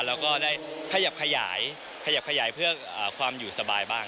แล้วก็ได้ขยับขยายเพื่อความอยู่สบายบ้าง